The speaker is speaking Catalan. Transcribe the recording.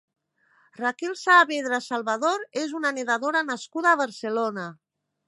Raquel Saavedra Salvador és una nedadora nascuda a Barcelona.